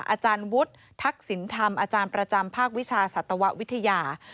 อาจารย์วุฒิทักษิณธรรมอาจารย์ประจำภาควิชาสัตววิทยา